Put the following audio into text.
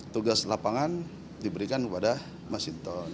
tugas lapangan diberikan kepada masinton